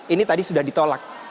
ini tadi sudah ditolak